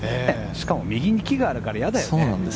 しかも右に木があるから嫌だよね。